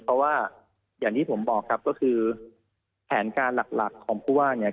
เพราะว่าอย่างที่ผมบอกครับก็คือแผนการหลักของผู้ว่าเนี่ย